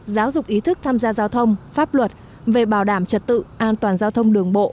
giáo dục ý thức tham gia giao thông pháp luật về bảo đảm trật tự an toàn giao thông đường bộ